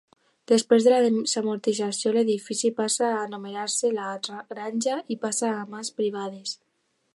Després de la desamortització, l'edifici passa a anomenar-se la Granja i passa a mans privades.